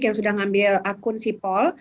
yang sudah ngambil akun sipol